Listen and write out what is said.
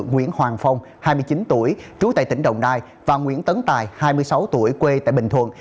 nguyễn hoàng phong hai mươi chín tuổi trú tại tỉnh đồng nai và nguyễn tấn tài hai mươi sáu tuổi quê tại bình thuận